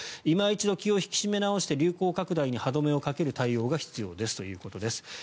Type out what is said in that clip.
今一度気を引き締め直して流行拡大に歯止めをかける対応が必要ですということです。